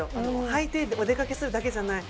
履いてお出かけするだけじゃない。